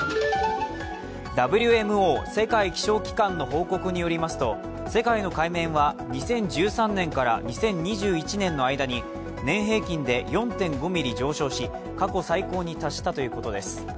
ＷＭＯ＝世界気象機関の報告によりますと、世界の海面は２０１３年から２０２１年の間に年平均で４．５ｍｍ上昇し過去最高に達したということです。